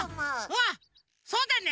あっそうだね！